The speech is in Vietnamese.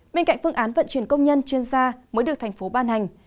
bên cạnh phương án vận chuyển công nhân chuyên gia mới được tp hcm ban hành